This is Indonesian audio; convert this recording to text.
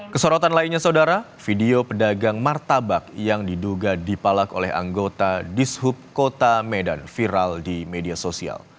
kesorotan lainnya saudara video pedagang martabak yang diduga dipalak oleh anggota dishub kota medan viral di media sosial